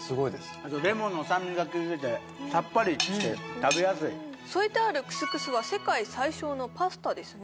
あとレモンの酸味がきいててさっぱりして食べやすい添えてあるクスクスは世界最小のパスタですね